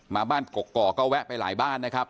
มาบ้านกกอกก็แวะไปหลายบ้านนะครับ